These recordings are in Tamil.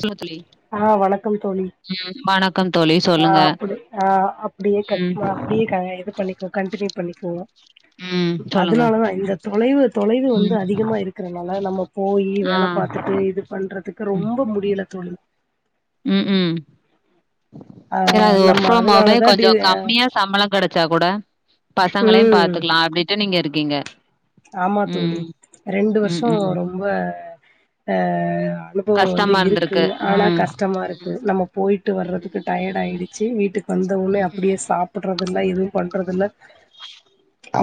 சொல்லுங்க தோழி ஆஹ் வணக்கம் தோழி ம் வணக்கம் தோழி சொல்லுங்க ஆஹ் அப்டி ஆஹ் அப்டியே க ம் அப்டியே எது பண்ணி கண்டினியூ பண்ணிப்போ ம் சொல்லுங்க அதனாலதா இந்த தொலைவு தொலைவு வந்து ம் அதிகமா இருக்கறனால நம்ம போய் ஆ வேல பாத்துட்டு இது பண்றதுக்கு ரொம்ப முடியல தோழி உம் உம் ஆ செரி அது ஒர்க் நம்ம ஃப்ரம் ஹோமே அதனாலதா டி கொஞ்சோ கம்மியா சம்பளம் கெடச்ச வெச்சா கூட பசங்களையு ம் பாத்துக்கலா அப்பிடீன்ட்டு நீங்க இருக்கு இருக்கீங்க ஆமா தோழி ம் ரெண்டு ம் வருஷம் ம் ரொம்ப அஹ் அனுபவம் வந்து கஷ்டமா இருக்கு இருந்திருக்கு ஆனா ம் கஷ்டமா இருக்கு நம்ம போயிட்டு வர்றதுக்கு டயர்ட் ஆயிடுச்சு வீட்டு வந்தவுனே அப்டியே சாப்பிடறதுல்லா எதுவு பண் ரதுலா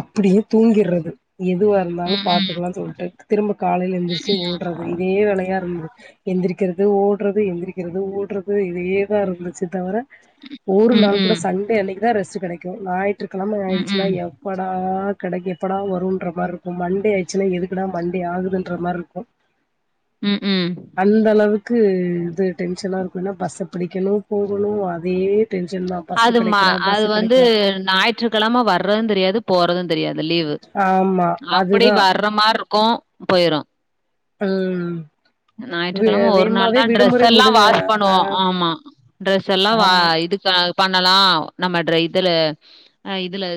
அப்படியே தூங்கிறது எதுவா இருந்தாலு ம் ம் பார்த்துக்கலா சொல்லிட்டு திரும்ப காலையில எழுந்திருச்சு ஓடுறது இதே வேலையா இருந்தது எந்திரிக்கிறது ஓடுறது எந்திரிக்கிறது ஓடுறது இதேதா இருந்துச்சு தவிர ஒரு ம் நாள் கூட ம் சண்டே அன்னைக்கு தா ரெஸ்ட கிடைக்கு நாய் ட்ருங்கழம ஆயிடுச்சுனா ம் எப்படா கடைக்கு எப்படா வரு ர மாரி இருக்கு மண்டே ஆயிடுச்சுனா எதுக்குடா வண்டி ஆகுதுன்ற மாதிரி இருக்கு ம் ம் ம் அந்த அளவுக்கு இது டென்ஷனா இருக்குன பச பிடிக்கணு போகணு அதே டென்ஷன் தா பஸ்ஸு அதுமா கெடைக்கல அது பஸ்ஸு வந்து கெடைக்கல ஞாயிற்றுக்கிழம வர்றது தெரியாது போறது தெரியாது இல்லையா கிது ஆமா அப்படி அதுதா வர்ற மாரி க்கு போயிரு ம் வே ஞாயிற்றுக்கிழம ஒரு நாள் வேகமாவே தான் டிரரெஸ் விடுமுறை எல்லா முடிஞ்ச வாஷ் பண்ணுவோ ஆமா ட்ரெஸ் எல்லா ஆமா இதுக்கு ப நாலெல்லா நம்ம ட இதுல இதுல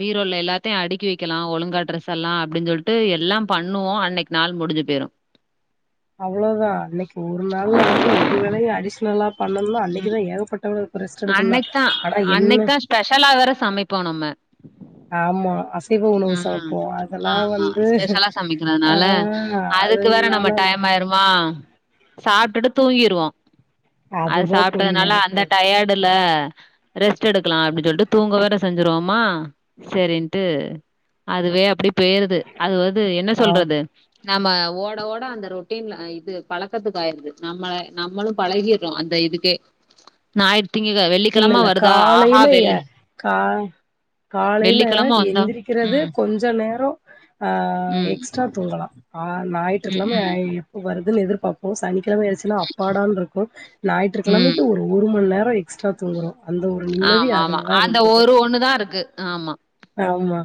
பீரோல்ல எல்லாத்தையு அடுக்கி வைக்கலா ஒழுங்கா ட்ரெஸ் எல்லா அப்படின்னு சொல்லிட்டு எல்லா பண்ணுவோ அன்னைக்கு நாள் முடிஞ்சு போயிரு அவ்வளோதா அன்னைக்கு ஒரு நாள்ல வந்து ஒரு வேளையு அடிஷனலா பண்ணணுனா ம். அன்னைக்குதா ஏகப்பட்ட வே அன்னைக்கு தா அன்னைக்கு தா ஸ்பெஷலா வேற சமைப்போ நம்ம ஆமா அசைவ உணவு ஆஹ சமைப்போ அதெல்லா ஆமா வந்து ஸ்பெஷலா ஆ சமைக்கிறதுனால அதுக்கு வேற நம்ம அதனால டைம் ஆயிருமா சாப்ட்டுட்டு தூங்கிருவோ அது அதுதா தோழி சாப்ட்டதுனால அந்த நடக்கு டயர்டுல ரெஸ்ட்டு எடுக்கலா அப்படி சொல்லிட்டு தூங்க வேற செஞ்சிருவோமா சரின்ட்டு அதுவே அப்படி பேயிருது அது வது என்ன ஆ சொல்றது நம்ம ஓட ஓட அந்த ரொட்டின்ல இது பலக்கத்துக்கு ஆயிருது நம்மள நம்மளு பலகியறோ அந்த இதுக்கே நா இல்ல இல்ல காலையில எ கா காலையில வெள்ளிக்கிழம வந்தா எந்திரிக்க கிறது ம் கொஞ்ச நேரோ ஆஹ் ம் எக்ஸ்ட்ரா தூங்கலா ஆஹ் ம் ஞாயி்ற்றுக்கெலம ம் எப்போ வருதுன்னு எதிர் பாப்போ சனி கிலம ஆச்சினா அப்பாடானு இருக்கு ம் ஞாற்றுக்கிலமைக்கு ஒரு ஒரு மணி நேரோ எக்ஸ்ட்ரா தூங்கறோ ஆமா ஆமா அந்த ஒரு ஒண்ணுதா இருக்கு ஆமா ஆமா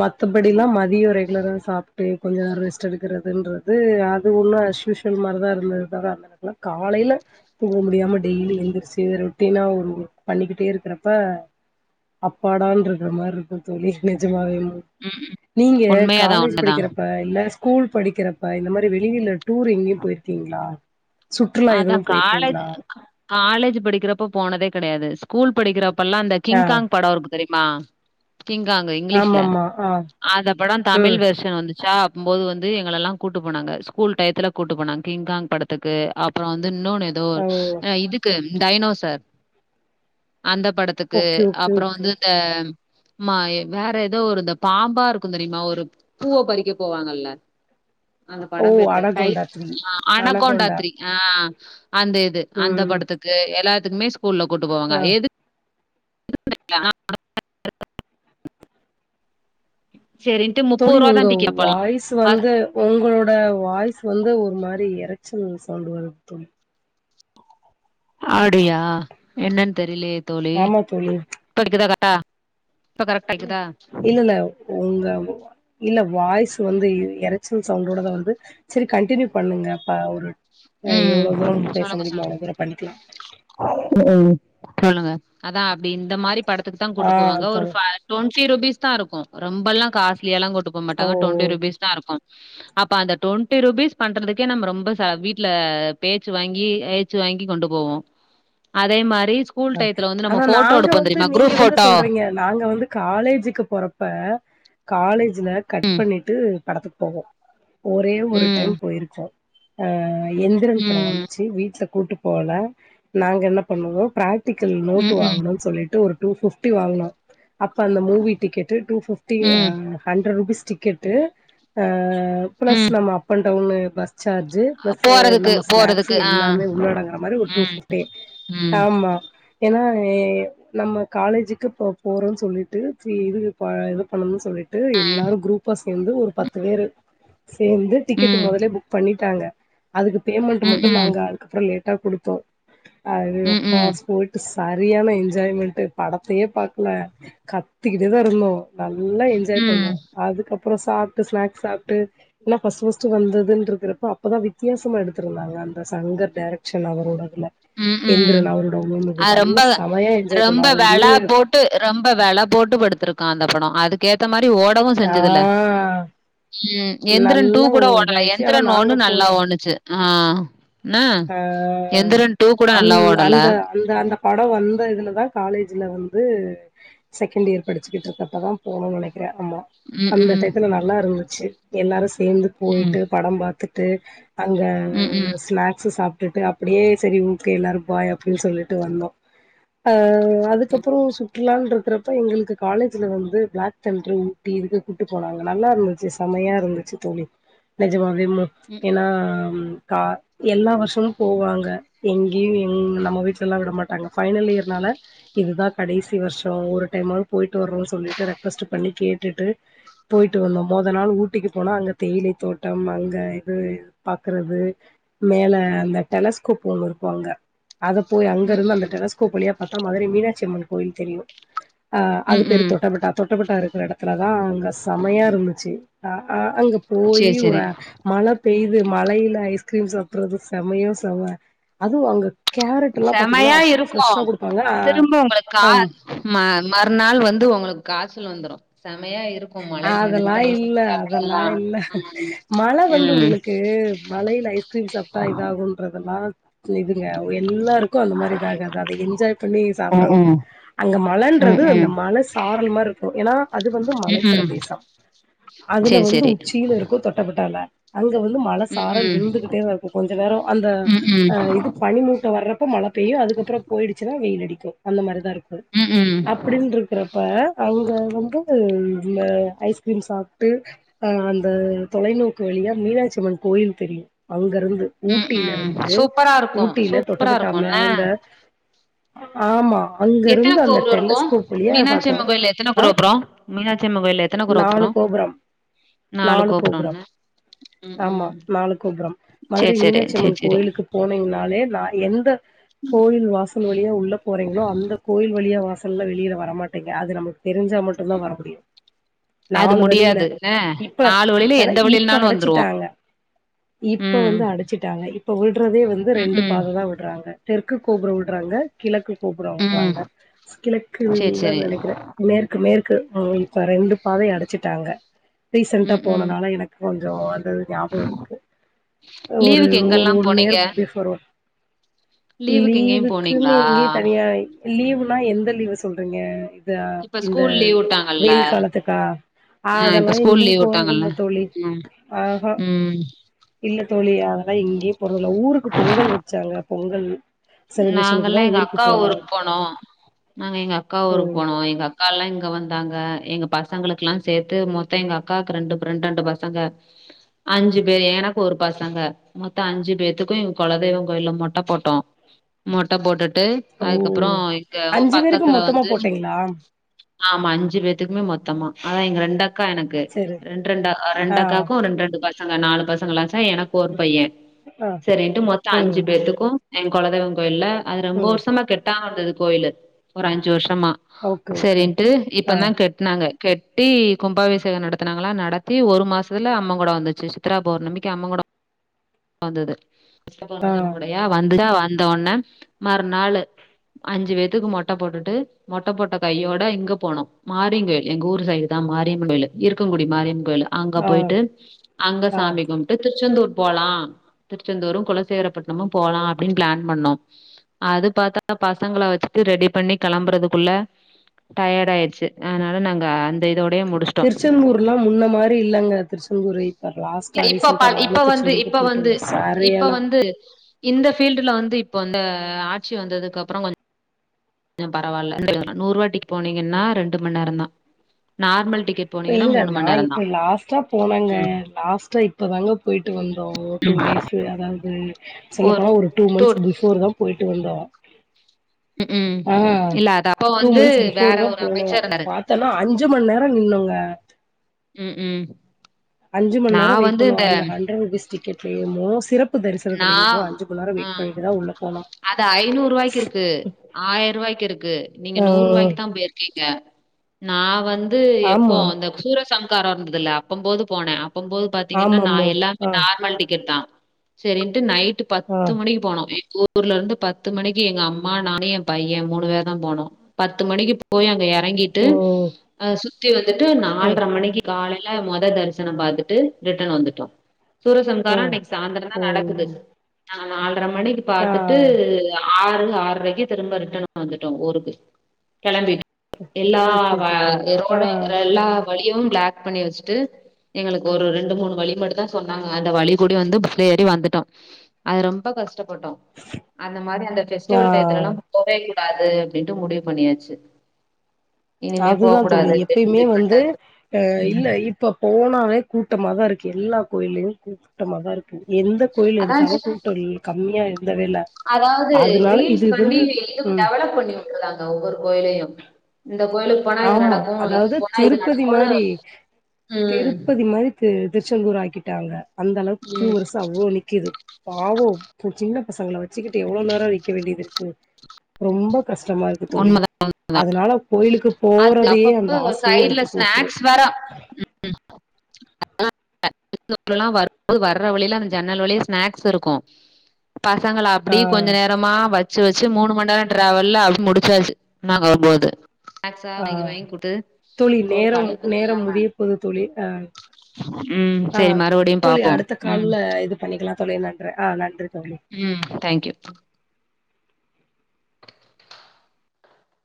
மத்தபடிலா ம் மதிய ரெகுலரா சாப்பட்டு கொஞ்ச நேர ரெஸ்ட்டு எடுக்கிறதுன்றது அது ஒன்னு அஸ்யூஷுவல் மாரிதா இருந்தது தவர அந்த நேரத்துலா காலையில தூங்க முடியாம டெய்லி எந்திரிச்சி ரொ ட்டினா ஒரு ஒர்க் பண்ணிக்கிட்டே இருக்கிறப்ப அப்பாடான்ருக்க மாரி இருக்கு தோழி நெஜமாவே ம் நீங்க உண்மையாதா காலேஜ் உண்மதா படிக்கிறப்ப இல்ல ஸ்கூல் படிக்கிறப்ப இந்த மாரி வெளியில டூர் எங்கேயு போயிருக்கீங்களா சுற்றுலா அதா எதுவு காலேஜ் போயிருக்கீங்களா கா காலேஜ் படிக்கிறப்ப போனதே கெடையாது ஸ்கூல் படிக்கிறப் பல்லா அந்த ஆ கிங்காங் படோ இருக்கு தெரிமா கிங்காங்கு இங்கிலீஷ்ல ஆமாமா ஆ அத பட தமிழ் ம் வெர்ஷன் வந்துச் சா அப்பும்போது வந்து எங்கலலா கூட்டு போனாங்க ஸ்கூல் டையத்துல கூட்டு போனாங்க கிங்காங் படத்துக்கு அப்புறோ வந் து இன்னொன்னு ஏதோ ஓ ஆஹ் இதுக்கு டயனோசர் அந்த படத்துக்கு ஓகே ஓகே அப்புறோ ஓகே வந்து இந்த மாய வேற எதோ ஒரு இந்த பாம்பா இருக்கு தெரியுமா ஒரு பூவ பறிக்க போவாங்கல்ல அந்த பட ஓ பேர் தெ டை அனகொண்டா த்ரீ ஆஹ் அணக்கொண்டா அனகொண்டா த்ரீ ஆஹ் அந்த இது அந்த ம் படத்துக்கு எல்லா த்துகுமேஸ் ஸ்கூல்ல கூட்டு போவாங்க ஆ எதுக் [unintelligible] முப்பது தோழி ரூபா உங்க தான் டிக்கி அப்பல்லாம் வாய்ஸ் வந்து உங்களோட வாய்ஸ் வந்து ஒரு மாரி இறச்சுனு சவுண்டு வருது தோழி அப்டியா என்னன்னு தெரிலயே தோழி [unintelligible] ஆ இல்லல்ல உங்க இல்ல வாய்ஸ் வந்து எறச்சல் சவுண்டோடதா வந்து சரி கண்டினியூ பண்ணுங்க ப ஒரு அ உம் எவ்ளோ தூரம் பேச சொல்லுங்க முடியுமோ சொல்லு அவ்ளோ தூரம் பண்ணிக்கலா உ உம் சொல்லுங்க அதா அப்டி இந்த மாரி படத்துக்கு தா ஆ கூட்டு போவாங்க ஒரு தோழர் பா டொன் பிப்டிருபீஸ் தா இருக்கு ரொம்பெல்லா காச எலா கொட்டு ஓ போகமாட்டாங்க டுவண்டி ருபீஸ் தா இருக்கு அப்ப அந்த டுவெண்ட்டி ருபீஸ் பண்றதுக்கே நம்ம ரொம்ப சா வீ வீட்ல பேச்சு வாங்கி ஏச்சு வாங்கி கொண்டு போவோ அதே மா ஆனா நாங்க வந்து நீங்க குரூப் வந்து போட்டோ சொல்றீங்க நாங்க வந்து காலேஜுக்கு போறப்ப காலேஜ் ல கட் ம் பண்ணிட்டு படத்துக்கு போவோ ஒரே ஒரு ம் டைம் போயிருக்கோ அஹ் எந்திர படோ ம் வந்துச்சு வீட்ல கூட்டு போகல நாங்க என்ன பண்ணுவோ ப்ராக் ப்ராக்டிகள் நோட்டு ம் ம் வாங்கணு சொல்லிட்டு ஒரு டூ பிப்டி வாங்குனா அப்ப அந்த மூவி டிக்கெட் டூ பிப்டி ம் ஆஹ் ஹண்ட்ரட் ருபீஸ் டிக்கெட்டு ஆ இப்ப ம் [unintelligible] நம்ம அப் அண்ட் டவுன்னு பஸ் சார்ஜு பிளஸ் போறதுக்கு நம்ம ஸ்நாக்ஸ் போறதுக்கு ஆ எல்லாமே உள்ளடங்குற மாரி ஒரு டூ ம் பிப்டி ம் ஆமா ஏன்னா ஏ நம்ம காலேஜுக்கு போபோறோ சொல்லிட்டு இது இது பண்ணும்னு சொல்லிட் டு எல்லாரு குரூப்பாஸ் இருந்து ஒரு பத்து பேரு சேர்ந்து டிக்கெட் ம் மொதலே புக் பண்ணி தாங்க அதுக்கு பேமெண்ட் மட்டு ம்ஹ்ம் நாங்க அதுக்கப்பறோ லேட் ட்டா குடுத்தோ அதூ ம்ஹ்ம் பாஸ்போட்ஸ் சரியான என்ஜோய்மேன்ட்டு பட பேய் பாக்கல கத்தி இதருந்தோ நல்லா என்ஜாய் பண்ணோ ம் அதுக்கப் பிரசாத் ஸ்நாக்ஸ் சாப்பிட்டு என்னா ஃபஸ்ட் ஃபஸ்ட்டு வந்ததுன்ருக்கறப்ப அப்போதா வித்தியாசமா எடுத்திருந்தாங்க அந்த சங்கர் டைரக்ஷன் அவரோட இதுல. ம் ம் எந்திரன் அவரோட ஓடுனது அ ரொம்ப நல்லா செமையா என்ஜாய் பண்ணோ. ரொம்ப அது வெல வந்து போட்டு ரொம்ப வெல போட்டு படுத்திருக்கா அந்த போனோ அதுக் ஏத்த மாரி இது ஓடவு ஆ செஞ்சதுல ம் எந்திரன் டூ நல்லா ஒ கூட ஓடல இதாயிடுச்சு. ஆனா எந்திரன் நாங்க ஒண்ணு நல்லா போறது ஓணுச்சு ஆ நா எந்திரன் டூ கூட அன் நல்லா ஓடல அந்த அந்த அந்த படோ வந்த இதுல தா காலேஜில வந்து செகண்ட் இயர் படிச்சக்கிட்டு இருக்கப்ப தா போனோனு நெனைக்கிறே ஆமா ம்ஹ்ம் அந்த டயத்துல நல்லா இருந்துச்சு எல்லாரு சே சேந்து ம் போய்ட்டு படம் பாத்துட் தே அங்க ம்ஹ்ம் ஸ்நாக்ஸ் சு சாப்ட்டுட்டு அப்படியே செரி ஓகே எல்லாரு பாய் அப்படின்னு சொல்லிட்டு வந்தோ அ அதுக்கப்புறோ சுற்றுலான் ருக்கிறப்ப எங்களுக்கு காலேஜ்ல வந்து பிளாக் தண்டர் ஊட்டி இதுக்கு கூட்டு போனாங்க நல்லா இருந்துச்சு செமையா இருந்துச்சு தோழி நெஜமாவே வேமு ம் ஏனா கா எல்லா வருஷமு போவாங்க எங்கியு எ நம்ம வீட்டுல எல்லா விட மாட்டாங்க ஃபைனல் இயர்னால இதுதா கடைசி வருஷோ ஒரு டைமும் போயிட்டு வர்றோம்னு சொல்லிட்டு ரெக்வஸ்ட் பண்ணி கேட்டுட்டு போயிட்டு வந்தோ மொத நாள் ஊட்டிக்கு போனா அங்க தேயிலை தோட்டம் அங்க இது பாக்குறது மேல அந்த டெலஸ்கோப் ஒன்னு இருக்கு அங்க அத போய அங்கிருந்து அந்த ம்ஹ்ம் டெஸ்கோப் வழியா பாத்தா மதுரை மீனாட்சியம்மன் கோயில் தெரியு ஆ அது பேரு ம்ஹ்ம் தொட்டப்பேட்டா தொட்டப்பேட்டா இருக்கு எடத்துல தா அங்க செமயா இருந்துச்சு ஆ ஆ அங்க போயி சேரி ஒரு சேரி மழ பெய்து மழையில ஐஸ்கிரீம் சாப் ப்றது செமயோ செம அதுவு அங்க கேரட் எல்லா பாத்தீங்கன்னா செமயா அவ்ளோ இருக்கு ஃப்ரெஷ்ஷா குடுப்பாங்க ஆ திரும்ப உங்களுக்கு கா அம் ம மறுநாள் வந்து உங்களுக்கு காசு வந்துரு செமயா இருக் அதெல்லா இல்ல அதெல்லா இல்ல மழ வந்து ம் உங்களுக்கு மழையில ஐஸ்கிரீம் சாப்ட்டா இதாகும்ன்றதெல்லா இதுங்க உங்க எல்லாருக்கு அந்த மாரி இதாகாது அத என்ஜாய் பண்ணி ம் சாப்படனால ம் அங்க ம் மழன்றது அந்த ம் மழ சாரல் மாரி இருக்கு ஏன்னா அது வந்து ம் மழை ம் பிரதேச அதுல சேரி வந்து சேரி உச்சியில இருக்கு தொட்டப்பெட்டால அங்க வந்து மழ ம் சாரல் ம் விழுந்துகிட்டே தா இருக்கு கொஞ்ச நேரோ அந்த ம் ம் இது பனிமூட்டம் வறப்ப மழை பெய்யு அதுக்கப்புறோ போயிடுச்சுனா வெயில் அடிக்கு அந்த மாரிதா இருக் கும் ம் ம் அப்புடின் இருக்குறப்ப அவுங்க வந்து உம் இல்ல ஐஸ்கிரீம் சாப்ட்டு அ அந்த தொலைநோக்கு வழியா மீனாட்சியம்மன் கோயில் தெரியு அங்க இருந்து ம் ஊட்டில ம் இருந்து சூப்பரா இருக்கு ஊட்டில சூப்பரா தொட்டப்பெட்டா இருக்கும்ல மேல ஆமா அங்க எத்தன இருந்து அந்த கோபுரோ இருக்கும் டெலஸ்கோப் வழியா மீனாட்சி பாத்தோ அம்மன் கோயில்ல எத்தன ஆ கோரோபுரோ மீனாட்சியம்மன் கோயில்ல எத்தன நாலு கோரோபுரோ கோபுரம் நாலு கோபுரோ என்ன ம் ஆமா ம் நாளு கோபுரம் சேரி மதுரை சேரி சேரி மீனாட்சியம்மன் சேரி கோயிலுக்கு போனிங்னாலே நா எந்த கோயில் வாசல் வழியா உள்ள போறீங்களோ அந்த கோயில் வழியா வாச ல்ல வெளியில்ல வரமாட்டிங்க அது நமக்கு தெரிஞ்சா மட்டுந்தா வர முடியு அது நாலு வழில முடியாது என்ன இப்ப நாலு வழியில ஏ எந்த இப்ப வழியிலனாலு அடச்சு வந்துருவோ டாங்க இப்ப ம். வந்து அடச்சுட்டாங்க இப் இப்ப உள் விட்றதே வந்து ரெண்டு ம்ஹ்ம். பாததா விட்றாங்க தெற்கு கோபுரோ உட்றாங்க கிழக்கு கு கோபுரோ ம். விட்றாங்க சரி, கிழக்குனுதா சரி. நெனக்கிறே மேற்கு மேற் க்கு இப்ப ரெண்டு பாதை அடைச்சுட்டாங்க ரீசன்டா ம், ம். போனனால எனக்கு கொஞ்சோ அதுதது ஞாபகோ இருக்கு ஒரு லீவுக்கு ஒரு எங்கெல்லாம் ஒன் போனீங்க? இயர் பிஃபோர் லீவுக்கு எங்கேயும் லீவுக்குனு போனீங்களா? எங்கயு தனியா லீவ் னா எந்த லீவு சொல்றீங்க தா இப்ப இந்த ஸ்கூல் லீவ் விட்டாங்கல்ல. வெயில் காலத்துக்கா ஆ இப்ப அதல்லா ஸ்கூல் எங்கேயு லீவ் விட்டாங்கல்ல. போறதுல்ல தோழி ம், ஆஹா ம். இல்ல தோழி அதல்லா எங்கேயும் போறதுல்ல ஊருக்கு பொங்கல் வச்சாங்க பொங்கல் நாங்கல்லா எங்க அக்கா ஊருக்கு போனோ நாங்க எங்க அக்கா ஊருக்கு ம் போனோம் எங்க அக்கால்லா இங்க வந்தாங்க எங்க ஃபஸ் பசங்களுக்கெல்லா சேத்து மொத்தோ எங்க அக்காக்கு ரெண்டு ரெண்ட்ரெண்ட் பசங்க அஞ்சு பேர் எனக்கு ஒரு பசங்க மொத்தோ அஞ்சு பேத்தக்கும் எங்க கொலதெய்வோ கோயில்ல மொட்ட போட்டோ மொட்ட போட்டுட் ட்டு ஓ அதுக்கப்பறோ இங்க அஞ்சு பேருக்கு பக்கத்துல மொத்தமா வந்து போட்டீங்களா ஆமா அஞ்சு பேத்துக்குமே மொட் மொத்தமா அதா எங்க ரெண்டக் க்கா எனக்கு சரி ரெண்டு ரெண்டு ரெண்டு ஆ அக்காக்கு ரெண்டு ரெண்டு சங்க நாலு பசங்களா தா எனக்கு ஒரு பைய ஆ சரின்ட்டு மொத்தோ அஞ்சு ம் பேத்துக்கு எ குலதெய்வோ இல்ல அது ரொம்ப ம் வருஷமா கெட்டு ட்டா வந்தது கோயிலு ஒரு அஞ்சு வருஷோ தம்மா ஓகே ஓகே சரின்ட்டு ஆ இப்பதா கெட்னாங்க கெட்டி கும்பாபிஷேகோ நடத்தினாங்களா நடத்தி ஒரு மாசத்துல அம்மன் குட வந்துச்சு சித்ராபௌர்ணமிக்கு அம்மன் குட வந்தது [inaudible] ஆ தோன்ன மறுநாள் அஞ்சு பேத்துக்கு மொட்ட போட்டுட்டு மொட்ட போட்ட கையோட இங்க போனோ மாடிங்கு எங்க ஊர் சைடு தா மாரியம்மன் கோயில் இயக்கங்குடி மாரியம்மன் கோயில் அங்க ஆ போயிட்டு அங்க ஆ சாமி கும்ட்டு திருச்செந்தூர் போலா திருச்செந்தூரு குலசேகரப்பட்டினமு போலா அப்படினு பிளான் பண்னோ அது பாத்தா பசங்கள வச்சுட்டு ரெடி பண்ணி கிளம்புறதுக்குள்ள டயர்ட் ஆயடுச்சு அதனால நா அந்த இதோடயே முடிச்சுட்டோ திருச்செந்தூர் எல்லா முன்ன மாரியில்லங்க திருச்செந்தூரே இப்ப பா இப்ப வந்து இப்ப போயிட்டு வந்து வந்தே இப்ப சரியான வந்து இந்த ஃபீல்டுல வந்து இப்ப வந்த ஆட்சி வந்ததுக்கப்ரோ கொஞ்சோ பரவால சொல்லலா நூறுவாக் டிக் போனீங்கன்னா ரெண்டு மணி நேரம் தா நார்மல் டிக் இல்ல நா இப்ப லாஸ்டா போனங்க ம் லாஸ்ட்டா இப்போதாங்க போயிட்டு வந்தோ டூ ம் டேஸு அதாவது சொல்ல போனா ஒரு டூ மன்த்ஸ் பிபோர் தா போயிட் [unintelligible] ம் ம் ஆ இல்ல அது அப்ப டூ வந்து மந்த்ஸ் வேற பிபோர் தான் ஒரு போனோ அமைச்சர் அப்ப இருந்தாரு பாத்தன்னா அஞ்சு மண் நேரோ நின்னோங்க உம் உம் அஞ்சுமண் நேரோ வெய்ட்ண்னோ அந்த ஹண்ரட்ரூபிஸ்டிக்கட் நா ஆஹ் பண்ணிட்டுதா உள்ள போனோ அது ஐந்நூறு ரூவாய்க்கு இருக்கு ஆயிர ரூவாய்க்கு இருக்கு நீங்க ஆ நூரு ரூவாயிக்கு தா பேயிரிகிங் கிங்க நா வந் ந்து எப்போ ஆமா அந்த சூசரசம் காரோ இருந்ததில்ல அப்ப போது போன பும்போது பாத்தீங்கன்னா நா ஆமாமா எல்லாமே ஆ நார்மல் டிக்கெட் தா சரின்ட்டு நைட் ட்டு ஆ பத்து மணிக்கு போனோ ஊர்ல இருந்து பத்து மணிக்கு எங்க அம்மா நானு எ பைய மூணு பேர் தா போனோ பத்து மணிக்கு போய் அங்க எராங் ரங்கிட்டு ஓ! [unintelligible] வந்துட்டு அ, நாலர மணிக்கு காலை ல மொத தரிசன பாத்துட்டு ரிட்டன் வந்துட்டோ சூர அ, சமங்காரா இன்னைக்கு சாயந்திரதா ஓ! நடக்குது அதனால் பத்தர மணிக்கு ஆ, பாத்துட்டு ஆறு ஆரைக்கு திரும்ப ரிட்டன் வந்துட்டோ ஊருக்கு கெளம்பிட்டு எல்லா ஓகே வ தோழி. ஆ, ரோடே எல்லா வழியு பிளாக் பண்ணி வச்சுட்டு எங்களுக்கு ஒரு ரெண்டு மூணு வழி மட்டு தா சொன்னாங்க அந்த வழி கூட வந்து ப ஏறி வந்துட்டோ அது ரொம்ப கஷ் ட்ட பட்டோ அந்த மாரி அந்த ஆ பெஸ்டிவல் டயத்துலலா போவே கூடாது அப்படின்ட்டு முடிவு பண்ணியாச்சு இனிமே போ அதுதா தோழி கூடாது அப்டின்னு எப்பேயுமே முடிவு வந்து பண்றது அ இல்ல ம் இப்ப போனாவே கூட்டமா தா இருக்கு எல்லா கோயிலயு கூட்டமா தா இருக்கு எந்த கோயில் அதா எடுத்தாலு கூட்ட கம்மியா இருந்தவே இல்ல. அதாவது அதனால ரீல்ஸ் இது பண்ணி வந்து இதுவு ம் டெவலப் பண்ணி வுட்டுருறாங்க ஒவ்வொரு கோயிலையு இந்த கோயிலுக்கு போனா இது ஆமா நடக்கு இது அதாவது போனா இது திருப்பதி நடக்குனு மாரி ம் திருப்பதி மாரி தி திருச்செந்தூர் ஆக்கிட்டாங்க அந்த அளவுக்கு கியூ ம் வரிச அவ்ளோ நிக்கிது பாவோ சின்ன பசங்கள விட் வச்சிக்கிட்டு எவ்ளோ நேரோ நிக்க வேண்டியது இருக்கு ரொம்ப கஷ்டமா இருக்கு தோழி உண்மதா அதனால கோயிலுக்கு அது போறதையே அந்த அப்பப்ப ஆசையே சைடுல விட்டு போச்சு ஸ்நாக்ஸ் வேற ம் அதெல்லா வரும்போது வர்ற வழியில அந்த ஜன்னல் வழிய ஸ்நாக்ஸ் இருக்கு பசங்கள ஆ அப்டி கொஞ்ச நேரமா வச் வச்சி வச்சி மூணு மணி நேரோ டிராவல்ல அது முடிச்சாச்சி நாங்க வரும் போது ஆ தோழி ஒரு நேரம் களைப்பு நேரம் தெரியாம முடிய போது தோழி ஆ ம் ஆ சரி மறுபடியும் தோழி பாப்போம் அடுத்த ம் கால்ல இது பண்ணிக்கலா தோழி நன்றி ஆ நன்றி தோழி ம் தேங்க்யூ